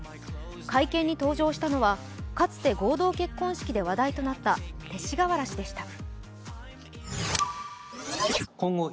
会見に登場したのはかつて合同結婚式で話題になった勅使河原氏でした。